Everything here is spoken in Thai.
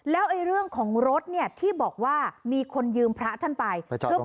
แล้วเรื่องของรถเนี่ยที่บอกว่ามีคนยืมพระท่านไป